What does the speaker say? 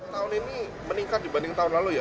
tahun ini meningkat dibanding tahun lalu ya